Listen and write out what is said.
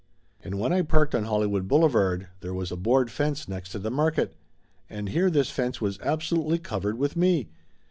And when I parked on Hollywood Boulevard there was a board fence next to the market, and here this fence was absolutely covered with me